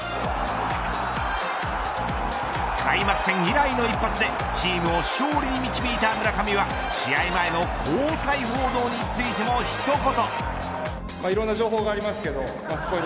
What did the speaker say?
開幕戦以来の一発でチームを勝利に導いた村上は試合前の交際報道についても一言。